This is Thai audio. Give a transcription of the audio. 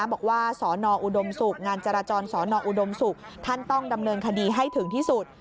บอกว่าสนอุดมศุกร์งานจราจรสนอุดมศุกร์ท่านต้องดำเนินคดีให้ถึงที่สุด